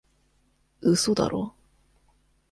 嘘だろ？